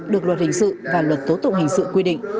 được luật hình sự và luật tố tụng hình sự quy định